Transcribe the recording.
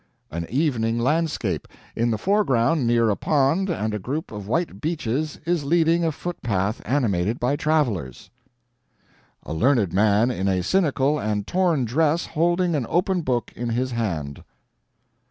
"An evening landscape. In the foreground near a pond and a group of white beeches is leading a footpath animated by travelers." "A learned man in a cynical and torn dress holding an open book in his hand."